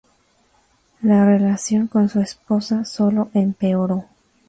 La relación con su esposa sólo empeoró.